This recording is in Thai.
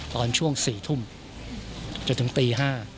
ตอนช่วง๔ทุ่มจนถึงตี๕